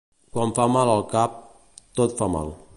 Quan fa mal el cap, tot fa mal.